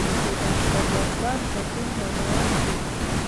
د بخش اباد بند په کوم ولایت کې دی؟